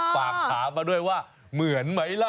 ฝากถามมาด้วยว่าเหมือนไหมล่ะ